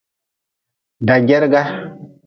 Dajerga.